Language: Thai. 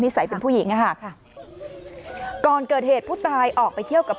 ใส่เป็นผู้หญิงอะค่ะก่อนเกิดเหตุผู้ตายออกไปเที่ยวกับ